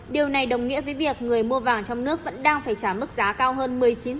điều này đồng nghĩa với việc người mua vàng trong nước vẫn đang phải trả mức giá cao hơn một mươi chín